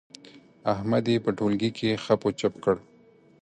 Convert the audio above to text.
احمد يې په ټولګي کې خپ و چپ کړ.